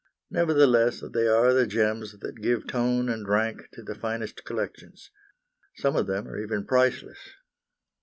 Nevertheless, they are the gems that give tone and rank to the finest collections. Some of them are even priceless.